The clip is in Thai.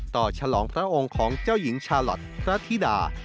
ฉลองพระองค์ของเจ้าหญิงชาลอทพระธิดา